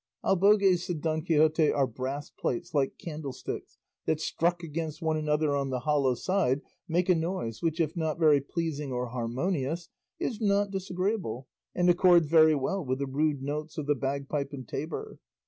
"Albogues," said Don Quixote, "are brass plates like candlesticks that struck against one another on the hollow side make a noise which, if not very pleasing or harmonious, is not disagreeable and accords very well with the rude notes of the bagpipe and tabor.